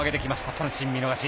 三振、見逃し。